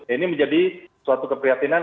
ini menjadi suatu keprihatinan